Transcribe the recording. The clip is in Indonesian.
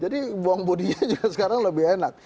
jadi buang bodinya juga sekarang lebih enak